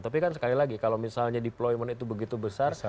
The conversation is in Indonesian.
tapi kan sekali lagi kalau misalnya deployment itu begitu besar